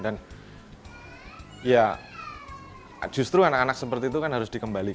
dan justru anak anak seperti itu harus dikembangkan